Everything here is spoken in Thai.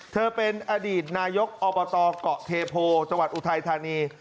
เธอเป็นอดีตนายกอบตเกาะเทโพจังหวัดอุทัยธานี